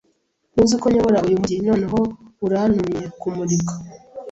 Ntuzi ko nyobora uyu mujyi Noneho urantumye kumurika